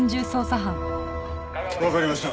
わかりました。